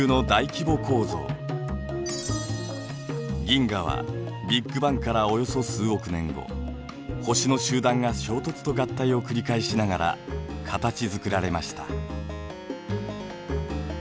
銀河はビッグバンからおよそ数億年後星の集団が衝突と合体を繰り返しながら形づくられました。